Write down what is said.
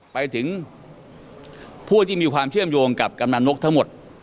ไปถึงผู้ที่มีความเชื่อมโยงกับกำนันนกทั้งหมด